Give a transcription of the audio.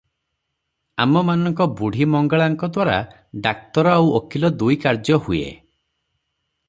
ଆମମାନଙ୍କ ବୁଢ଼ୀମଙ୍ଗଳାଙ୍କ ଦ୍ୱାରା ଡାକ୍ତର ଆଉ ଓକିଲ ଦୁଇ କାର୍ଯ୍ୟ ହୁଏ ।